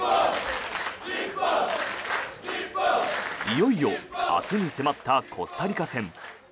いよいよ明日に迫ったコスタリカ戦。